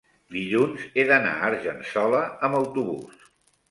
dilluns he d'anar a Argençola amb autobús.